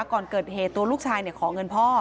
ก่อนเกิดเหตุตัวลูกชายขอเงินพ่อ